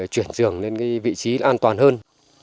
chuyển trường lên cái vị trí an toàn hơn